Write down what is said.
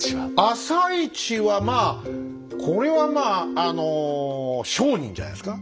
「朝市」はまあこれはまああの商人じゃないですか？